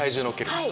はい。